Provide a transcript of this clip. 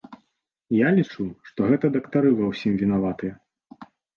Я лічу, што гэта дактары ва ўсім вінаватыя.